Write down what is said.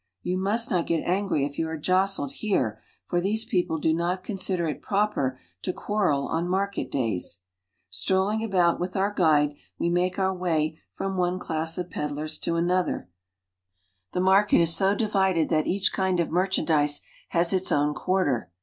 You \ must not get angry if you are jostled here, for these peo ple do not consider it proper to quarrel on market days. I Strolling about with our guide, we make our way fr of peddlers to another. The market is ^^■;Z44 AFRICA 1 ^^H divided that each kind of merchandise has its own ^^^1' quarter.